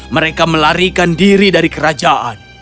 mereka melarikan diri dari kerajaan